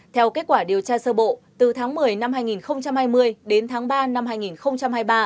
theo kết quả điều tra sơ bộ từ tháng một mươi năm hai nghìn hai mươi đến tháng ba năm hai nghìn hai mươi ba